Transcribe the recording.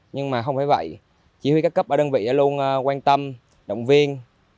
nhưng mà không phải vậy chỉ huy các cấp ở đơn vị luôn quan tâm động viên